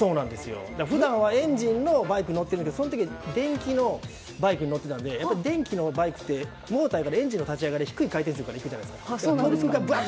普段はエンジンのバイクを乗ってるんですけどその時電気のバイクに乗ってたので電気のバイクってモーターがエンジンの立ち上がりがいいじゃないですか。